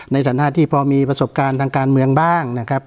ในฐานะที่พอมีประสบการณ์ทางการเมืองบ้างนะครับ